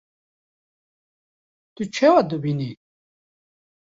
Tu çawa dibînî?